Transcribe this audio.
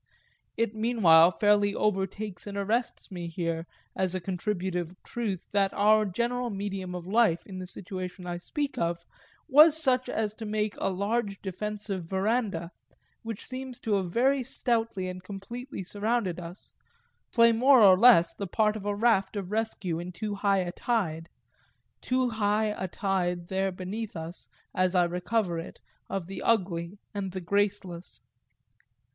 It meanwhile fairly overtakes and arrests me here as a contributive truth that our general medium of life in the situation I speak of was such as to make a large defensive verandah, which seems to have very stoutly and completely surrounded us, play more or less the part of a raft of rescue in too high a tide too high a tide there beneath us, as I recover it, of the ugly and the graceless.